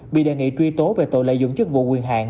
bị đề nghị truy tố về tội lợi dụng chức vụ quyền hạn